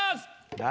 誰？